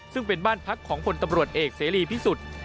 ซึ่งเป็นบ้านพักของพลตำรวจเอกเสรีพิสุทธิ์